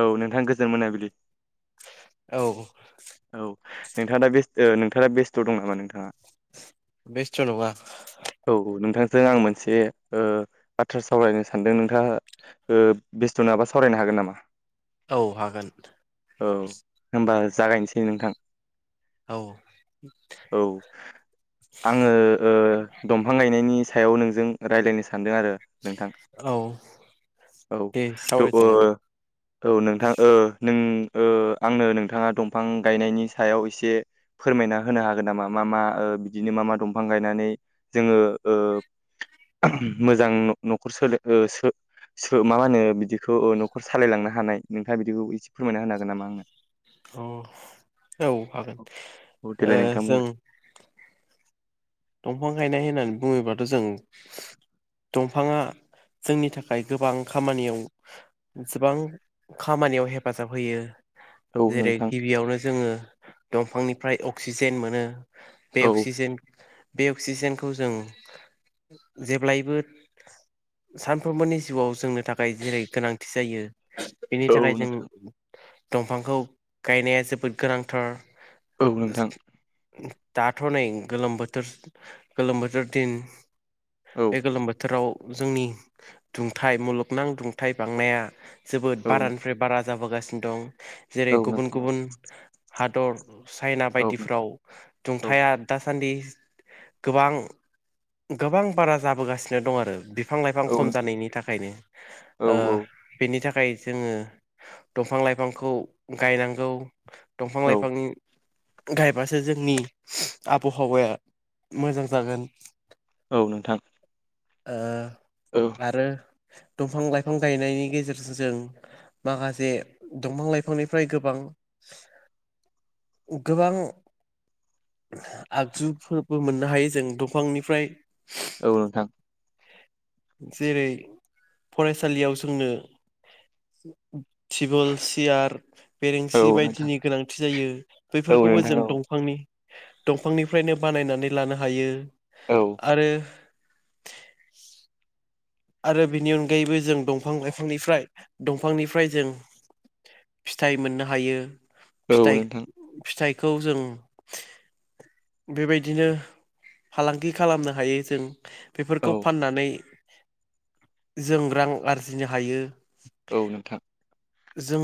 औ नोंथां गोजोन मोनाबिलि। औ औ नोंथाङा दा बेस नोंथाङा बेस्थ' दं नामा नोंथाङा? बेस्थ नङा। औ नोंथांजों आं मोनसे ओ बाथ्रा सावरायनो सानदों नोंथाङा ओ बेस्थ' नङाबा सावरायनो हागोन नामा? औ हागोन। औ होमबा जागायनोसै नोंथां। औ औ आङो ओ। नायनि सायाव नोंजों रायज्लायनो सानदों आरो नोंथां। औ औ दे थ ओ सावरायजागोन औ नोंथां ओ नों ओ आंनो नोंथाङा दंफां गायनायनि सायाव एसे फोरमायना होनो हागोन नामा मा मा बिदिनो मा मा दंफां गायनानै जोङो ओ मोजां न-न'खर सो ओ सो सो मा माहोनो ओ बिदिखौ न'खर सालायलांनो हानाय नोंथाङा बिदिखौ एसे फोरमायना होनो हागोन नामा आंनो। अ औ हागोन औ ओ देलाय नोंथां बुं जों दंफां गायनाय होननानै बुङोबाथ' जों दंफाङा जोंनि थाखाय गोबां खामानियाव जोबां खामानियाव हेफाजाब होयो। औ जेरै नोंथां गिबियावनो जोङो दंफांनिफ्राय अक्सिजेन मोनो। बे औ अक्सिजेन बे अक्सिजेनखौ जों जेब्लायबो सानफ्रोमबोनि जिउआव जोंनो थाखाय जेरै गोनांथि जायो बेनि औ थाखाय जों नोंथां दंफांखौ गायनाया जोबोद गोनांथार। औ नोंथां। दाथ'नै गोलोम बोथोर गोलोम बोथोर दिन। औ बे गोलोम बोथोराव जोंनि दुंथाइ मुलुगनां दुंथाइ बांनाया जोबोद औ नोंथां बारानिफ्राय बारा जाबोगासिनो दं जेरै औ गुबुन नोंथां गुबुन हादर चाइना बायदिफ्राव औ दुंथाया दासान्दि गोबां गोबां बारा जाबोगासिनो दं आरो बि फां लाइफां औ खम नोंथां जानायनि थाखायनो औ नोंथां औ ओ बेनि था खाय जोङो दंफां लाइफांखौ गायनांगौ दंफां लाइफां गायबासो जोंनि आबहावाया मोजां जागोन। औ नोंथां। ओ औ आरो दंफां लाइफां गायनायनि गेजेरजों जों माखासे दंफां लाइफांनिफ्राय गोबां [inaudible] गोबां आगजु फोरबो मोननो हायो जों दंफांनिफ्राय औ नोंथां जेरै फरायसालियाव जोंनो टिबोल सियार औ बेरेंसि नोंथां बायदिनि गोनांथि जायो औ बैफोरखौबो नोंथां जों औ दंफांनि दंफांनिफ्रायनो बानायनानै लानो हायो औ आरो [unintelligible] आरो बेनि अनगायैबो जों दंफां लाइफांनिफ्राय दंफांनिफ्राय जों फिथाइ मोननो हायो औ नोंथां फिथाइ-फिथाइखौ जों बेबायदिनो फालांगि खालामनो हायो जों। बेफोरखौ औ फाननानै जों रां आरजिनो हायो। औ नोंथां जों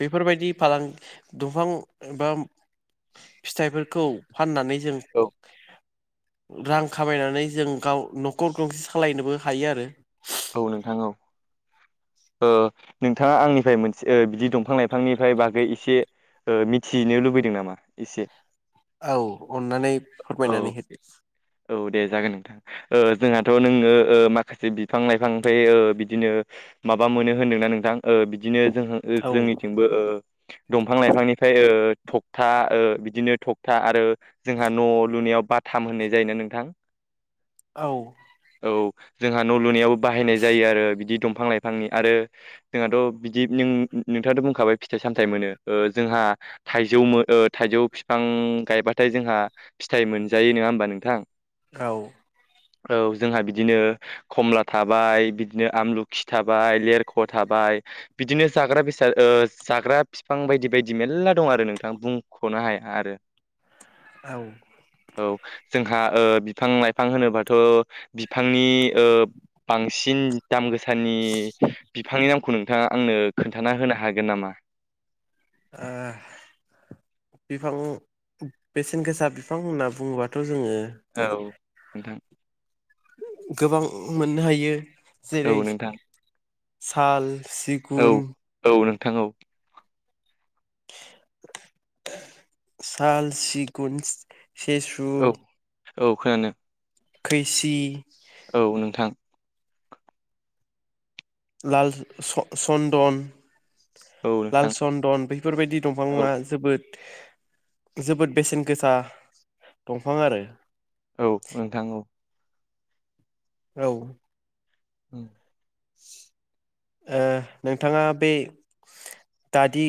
बेफोरबायदि फालांगि दंफां बा फिथाइफोरखौ फाननानै जों औ नोंथां औ रां खामायनानै जों गाव न'खर गंसे सालायनोबो हायो आरो। औ नोंथां औ। ओ नोंथाङा आंनिफ्राय मोनसे ओ बिदि दंफां लाइफांनिफ्राय बागै एसे ओ मिथिनो लुबैदों नामा एसे? औ अननानै औ फोरमायनानै होदो। औ दे जागोन नोंथां। ओ जोंहाथ' नोङो ओ माखासे बिफां लाइफांनिफ्राय ओ बिदिनो माबा मोनो होनदोंना नोंथां ओ बिदिनो जों औ जोंनिथिंबो ओ दंफां लाइफांनिफ्राय ओ थखथा ओ बिदिनो थखथा आरो जोंहा न' लुनायाव बाथाम होननाय जायो ना नोंथां औ औ जोंहा न' लुनायावो बाहायनाय जायो आरो बिदि दंफां लाइफांनि आरो जोंहाथ' बिदि नों नोंथांआथ' बुंखाबाय फिथाइ सामथाइ मोनो ओ जोंहा थाइजौ मो- ओ थाइजौ बिफां गायबाथाय जोंहा फिथाइ मोनजायो नङा होमबा नों औ। औ जोंहा बिदिनो खमला थाबाय बिदिनो आमलुखि थाबाय लेरख' थाबाय। -खाय बिदिनो जाग्रा बेसाद जाग्रा बिफां बायदि बायदि मेरला दं आरो नोंथां बुंख'नो हा हाय आर औ। जोंहा ओ बिफां लाइफां होनोबाथ' बिफांनि ओ बांसिन दाम गोसानि बिफांनि नामखौ नोंथाङा आंनो खोन्थाना होनो हागोन नामा? ओ बिफां बेसेन गोसा बिफां होनना बुङोबाथ' जोङो औ नोंथां। गोबां मोननो हायो। औ जेरै नोंथां। साल, औ सिगुन औ नोंथां औ साल, सिगुन सेसु औ औ खोनानो खैसि लाल स सन्दन औ लाल नोंथां सन्दन बेफोरबायदि औ दंफाङा जोबोद जोबोद बेसेन गोसा दंफां आरो औ नोंथां औ औ ओ नोंथाङा बे दादि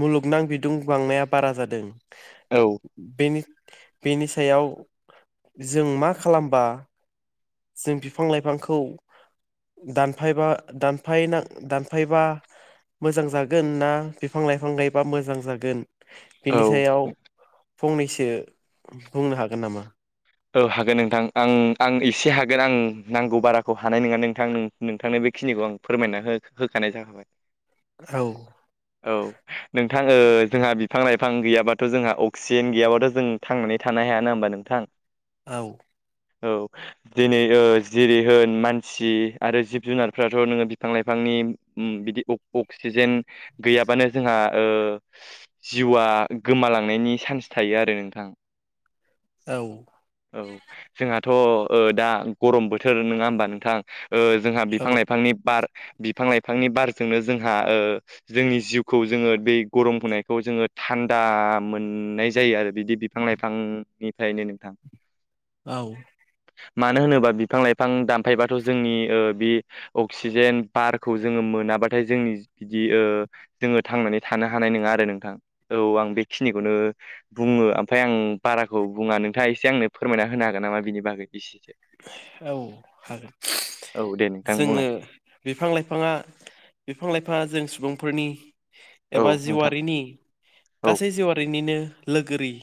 मुलुगनां बिदुं बांनाया बारा जादों औ बेन बेनि सायाव जों मा खालामबा जों बिफां लाइफांखौ दानफायबा दानफायना दानफायबा मोजां जागोन ना बिफां लाइफां गायबा मोजां जागोन? औ बेनि सायाव फंनैसो बुंनो हागोन नामा? औ हागोन नोंथां आं आं एसे हागोन आं नांगौ बाराखौ हानाय नङा नोंथां नोंथांनो बे खिनिखौ आं फोरमायना हो होखानाय जाखाबाय औ औ नों [unintelligible] -थां ओ जोंहा बिफां लाइफां गैयाबाथ' जोंहा अक्सिजेन गैयाबाथ' जों थांनानै थानो हायाना होमबा नोंथां? औ। औ दिनै ओ जिरि होन मानसि आरो जिब जुनारफ्राथ' नोङो बिफां लाइफां नि ओ बिदि अक्सिजेन गैयाबानो जोंहा ओ जिउआ गोमालांनायनि चान्स थायो आरो नोंथां। औ औ जोंहाथ' ओ दा गरम बोथोर नङा होमबा नोंथां? ओ जोंहा बिफां औ लाइफांनि बार बिफां लाइफांनि बारजोंनो जोंहा ओ जोंनि जिउखौ जोङो बे गरम होनायखौ जोङो दान दा मोननाय जायो आरो बिदि बिफां लाइफांनिफ्रायनो नोंथां। औ। मानो होनोबा बिफां लाइफां दानफायबाथ' जोंनि ओ बे अक्सिजेन बारखौ जोङो मोनाबाथाय जोंनि बिदि जोङो थांनानै थानो हानाय नङा आरो नोंथां औ आं बेखिनिखौ ओ बुङो ओमफ्राय आं बाराखौ बुङा नोंथाङा एसे आंनो फोरमायना होनो हागोन नामा बिनि बागै? एसेसो औ हागोन। औ दे नोंथां जोङो बुंलाय बिफां लाइफाङा बिफां लाइफां जों सुबुंफोरनि औ एबा नोंथां जिउआरारिनि औ गासै जिउआरारिनिनो। लोगोरि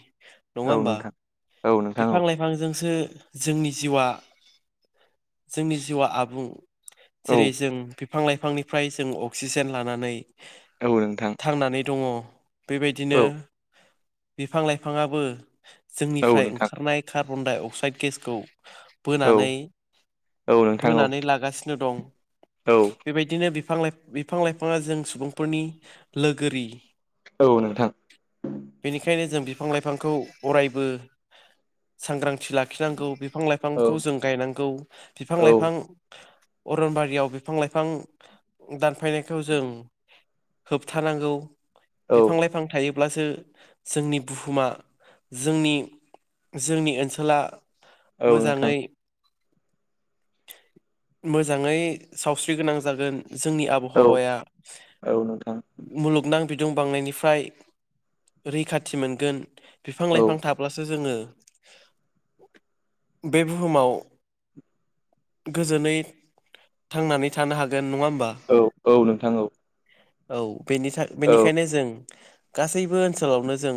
नङा औ होमबा नोंथां औ नोंथां बिफां औ लाइफांजोंसो जोंनि जिउ आ जोंनि जिउआ आबुं औ जेरै जों बिफां लाइफांनिफ्राय जों अक्सिजेन लानानै औ नोंथां थांनानै दङ बेबायदिनो औ बिफां लाइफाङाबो औ जोंनिफ्राय नोंथां ओंखारनाय कार्बन डाइअक्साइड गेसखौ औ बोनानै औ नोंथां बोनानै लागासिनो दं औ बेबायदिनो बिफां लाइफाङा जों सुबुंफोरनि लोगोरि औ नोंथां बेनिखायनो जों बिफां लाइफांखौ अरायबो सांग्रां थि लाखिनांगौ बिफां औ लाइफांखौ जों गायनांगौ बिफां औ लाइफां अरनबारियाव बिफां लाइफां दानफायनायखौ जों होबथानांगौ बिफां लाइफां थायोब्लासो जोंनि बुहुमा जोंनि जोंनि ओनसोला औ नोंथां मोजाङै मोजाङै सावस्रि गोनां जागोन जोंनि औ आबहावाया औ नोंथां मुलुगनां बि दुं बांनायनिफ्राय रैखाथि मोनगोन बिफां औ लाइफां जोङो बे बुहुमाव गोजोनै थांनानै थानो हागोन। नङा होमबा औ औ नोंथां औ औ औ बेनिखायनो जों गासैबो ओनसोलावनो जों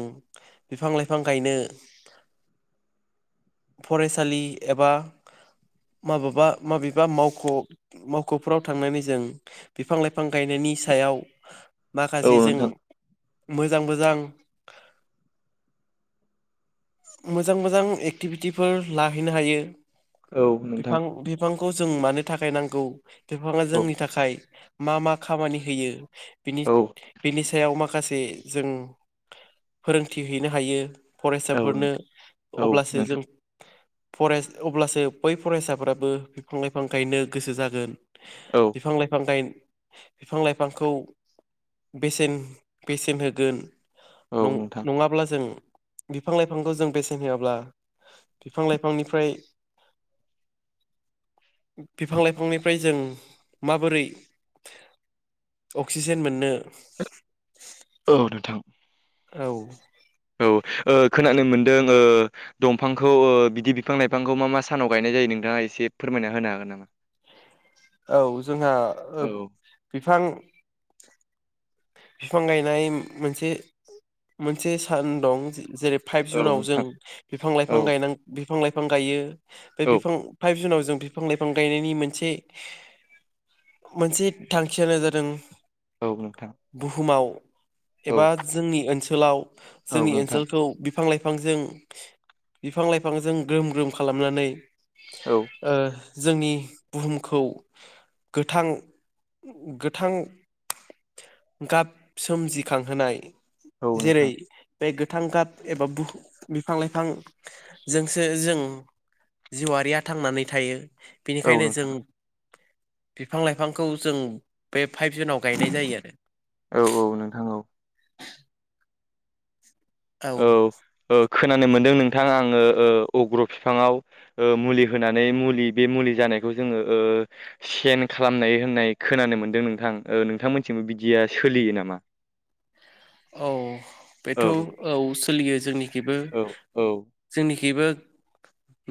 बिफां लाइफां गायनो [unintelligible] फरायसालि एबा माबेबा माबेबा मावख' मावख'फोराव थांनानै जों बिफां लाइफां गायनायनि नि सायाव औ माखासे जों नोंथां मोजां मोजां मोजां मोजां एक्टिभिटिफोर लाहैनो हायो औ नोंथां बिफां बिफांखौ जों मानो थाखाय नांगौ बिफाङा औ जोंनि थाखाय मा मा खामानि होयो। बिनि औ नोंथां बिनि सायाव माखासे जों फोरोंथि हैनो हायो। बे फोरनो औ अब्लासो नोंथां जों फराय अब्लासो बै फरायसाफोराबो बिफां लाइफां गायनो गोसो जागोन औ बिफां लाइफां गायनो बिफां लाइफांखौ बेसेन बेसेन होगोन औ नोंथां नङाब्ला जों बिफां लाइफांखौ जों बेसेन होआब्ला बिफां लाइफांनिफ्राय बिफां लाइफांनिफ्राय जों माबोरै अक्सिजेन मोननो औ नोंथां औ औ खोनानो मोनदों दंफांखौ बिदि बिफां लाइफांखौ मा मा सानाव गायनाय जायो नोंथाङा एसे फोरमायना होनो हागोन नामा? औ जोंहा ओ औ बिफां बिफां गायनाय मोनसे मोनसे सान दं जेरै फाइभ औ जुनाव जों नोंथां बिफां लाइफां औ गा बिफां लाइफां गायो बे औ बिफां फाइभ जुनाव जों बिफां लाइफां गायनायनि मोनसे मोनसे थांखियानो जादों औ नोंथां बुहुमाव औ एबा जोंनि ओनसोलाव औ जोंनि नोंथां ओनसोलखौ बिफां लाइफांजों बिफां लाइफांजों ग्रोम ग्रोम खालामनानै औ ओ जोंनि बुहुमखौ गोथां गोथां गाब सोमजिखांहोनाय औ जेरै नोंथां। बे गोथां गाब एबा बह बिफां लाइफांजोंसो जों जिउआरारिया थांनानै थायो औ बेनिखायनो जों नोंथां बिफां लाइफांखौ जों बे फाइभ जुनाव गायनाय जायो आरो औ औ नोंथां औ। आरो औ औ। खोनानो मोनदों नोंथां आङो ओ अग्र बिफाङाव मुलि होनानै मुलि बे मुलि जानाय जोङो ओ सेन खालामनायनाय खोन मोनदों नोंथां ओ नोंथांमोन बिदिया सोलियो नामा? औ बेथ' औ सोलियो जोंनिखिबो औ औ जोंनि खिबो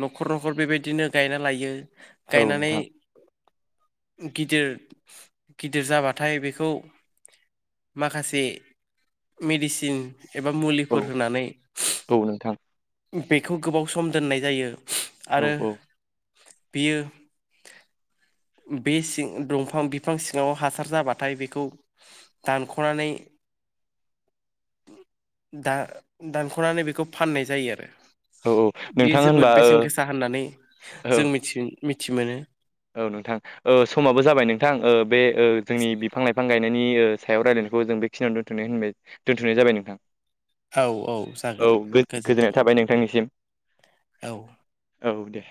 न'खर न'खर बेबायदिनो गायना लायो औ गायनानै नोंथां गिदिर गिदिर जाबाथाय बेखौ माखासे मेडिसिन एबा औ मुलिफोर होनानै औ नोंथां बेखौ गोबाव सम दोननाय जायो औ आरो औ। बियो बे सिं दंफां बिफां सिङाव हासार जाबाथाय बेखौ दानख'नानै [inaudible] दा दानख'नानै बेखौ फाननाय जायो। औ औ बियो नोंथां होनबा जोबोद ओ बेसेन गोसा होननानै औ जों मिथि मिथि मोनो औ नोंथां समाबो जाबाय नोंथां बे जोंनि बिफां लाइफां गायनाय नायनि सायाव रायलायनायखौ जों बेखिनिनो दोनथनाय होनबाय दोन्थ'नाय जाबाय नोंथां। औ औ जागोन गोजोननाय गोजोन्थों थाबाय नोंथांनिसिम। औ औ दे।